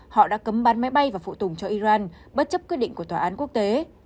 họ đã cấm bán máy bay và phụ tùng cho iran bất chấp quyết định của tòa án quốc tế